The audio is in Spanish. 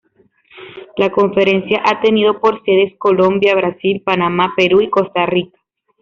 La Conferencia ha tenido por sedes Colombia, Brasil, Panamá, Perú y Costa Rica.